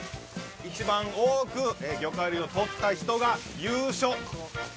一番多く魚介類を取った人が優勝。